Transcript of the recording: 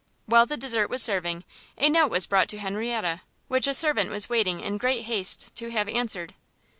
While the dessert was serving, a note was brought to Henrietta, which a servant was waiting in great haste to have answered.